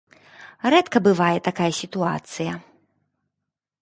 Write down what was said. Рэдка бывае такая сітуацыя.